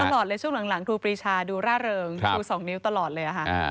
ตลอดเลยช่วงหลังครูปรีชาดูร่าเริงชู๒นิ้วตลอดเลยค่ะ